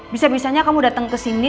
bisa bisanya kamu datang kesini